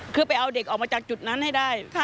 คือไปเอาเด็กออกมาจากจุดนั้นให้ได้